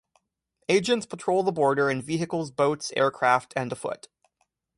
Agents patrol the border in vehicles, boats, aircraft, and afoot.